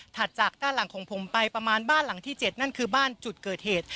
จากด้านหลังของผมไปประมาณบ้านหลังที่๗นั่นคือบ้านจุดเกิดเหตุ